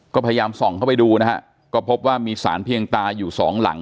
ก็พยายามส่องเข้าไปดูนะฮะก็พบว่ามีสารเพียงตาอยู่สองหลัง